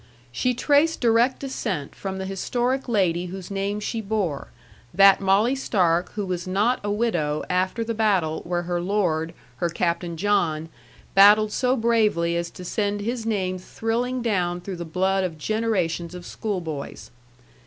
She traced direct descent from the historic lady whose name she bore, that Molly Stark who was not a widow after the battle where her lord, her Captain John, battled so bravely as to send his name thrilling down through the blood of generations of schoolboys.